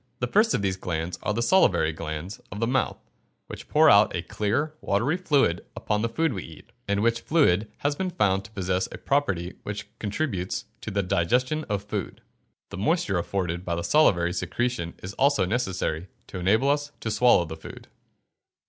The first of these glands are the salivary glands of the mouth, which pour out a clear watery fluid upon the food we eat, and which fluid has been found to possess a property which contributes to the digestion of food. The moisture afforded by the salivary secretion is also necessary to enable us to swallow the food.